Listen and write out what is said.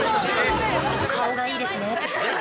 顔がいいですねーって。